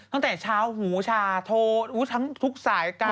ตั้งแต่เช้าหูชาโทรทั้งทุกสายกัน